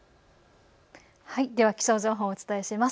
では気象情報をお伝えします。